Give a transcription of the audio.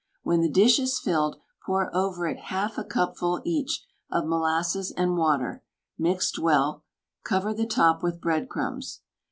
When the dish is filled, pour over it half a cupful each of molasses and water, mixed well; cover the top with bread crumbs.